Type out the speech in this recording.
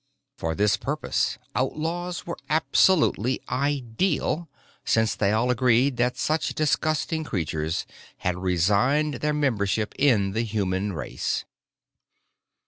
For this purpose, outlaws were absolutely ideal, since all agreed that such disgusting creatures had resigned their membership in the human race.